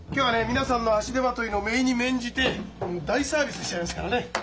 皆さんの足手まといの姪に免じて大サービスしちゃいますからね。